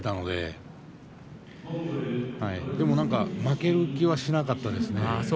でも負ける気はしなかったですね。